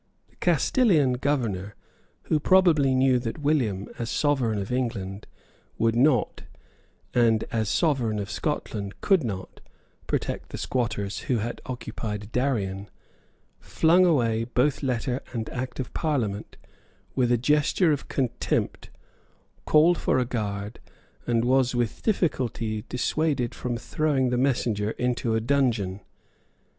The Castilian governor, who probably knew that William, as Sovereign of England, would not, and, as Sovereign of Scotland, could not, protect the squatters who had occupied Darien, flung away both letter and Act of Parliament with a gesture of contempt, called for a guard, and was with difficulty dissuaded from throwing the messenger into a dungeon.